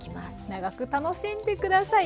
長く楽しんで下さい。